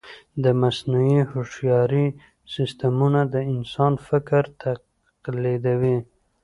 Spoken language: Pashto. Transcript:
د مصنوعي هوښیارۍ سیسټمونه د انسان فکر تقلیدوي.